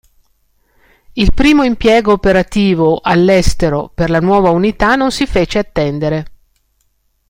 Il primo impiego operativo all'estero per la nuova unità non si fece attendere.